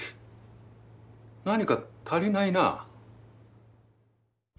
何か足りないなあ。